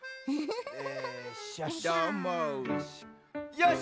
よし！